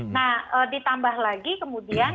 nah ditambah lagi kemudian